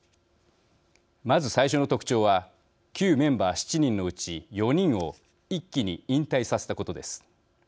まず、最初の特徴は旧メンバー７人のうち４人を一気に引退させたことです。